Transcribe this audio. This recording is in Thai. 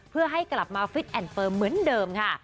เพื่อให้กลับมาฟิตแอนด์เฟิร์มเหมือนเดิมค่ะ